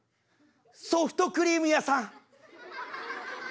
「ソフトクリーム屋さん」。